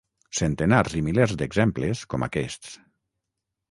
Centenars i milers d’exemples com aquests.